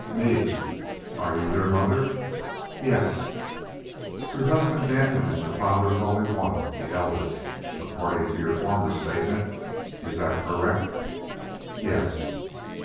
"Me." "Are you their mother?" "Yes." "Your husband Danton is the father of only one, the eldest, according to your former statement. Is that correct?" "Yes."